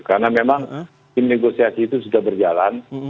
karena memang tim negosiasi itu sudah berjalan